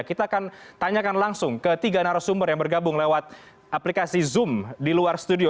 kita akan tanyakan langsung ke tiga narasumber yang bergabung lewat aplikasi zoom di luar studio